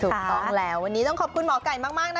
ถูกต้องแล้ววันนี้ต้องขอบคุณหมอไก่มากนะ